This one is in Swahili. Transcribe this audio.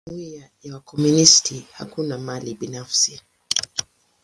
Katika jumuia ya wakomunisti, hakuna mali binafsi.